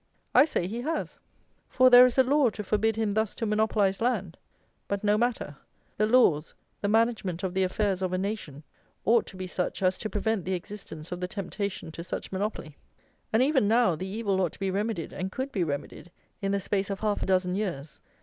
I say he has; for there is a law to forbid him thus to monopolize land. But no matter; the laws, the management of the affairs of a nation, ought to be such as to prevent the existence of the temptation to such monopoly. And, even now, the evil ought to be remedied, and could be remedied, in the space of half a dozen years.